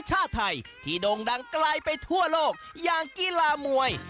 ชาติไทยที่โด่งดังไกลไปทั่วโลกอย่างกีฬามวย